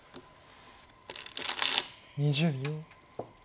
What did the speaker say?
２０秒。